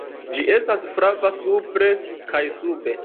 Ĝi estas flava supre kaj sube.